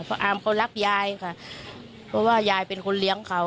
เพราะอามเขารักยายค่ะเพราะว่ายายเป็นคนเลี้ยงเขา